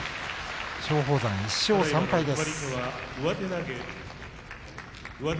松鳳山１勝３敗です。